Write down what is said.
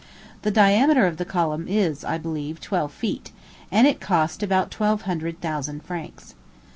The diameter of the column is, I believe, twelve feet, and it cost about twelve hundred thousand francs.